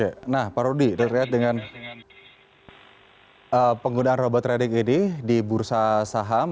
oke nah pak rudi terkait dengan penggunaan robot trading ini di bursa saham